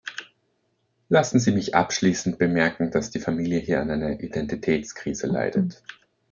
Lassen Sie mich abschließend bemerken, dass die Familie hier an einer Identitätskrise leidet.